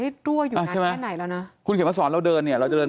ถูกทั่วไปไม่รู้หรอก